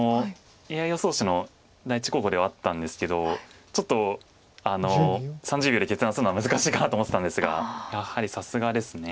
ＡＩ予想手の第１候補ではあったんですけどちょっと３０秒で決断するのは難しいかなと思ってたんですがやはりさすがです。